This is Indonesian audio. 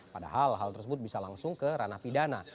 padahal hal tersebut bisa langsung ke ranah pidana